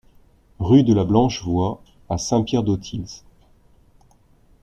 Rue de la Blanche Voie à Saint-Pierre-d'Autils